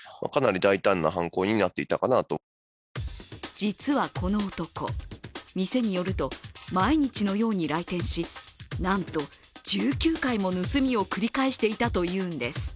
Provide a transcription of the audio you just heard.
実はこの男、店によると毎日のように来店し、なんと１９回も盗みを繰り返していたというんです。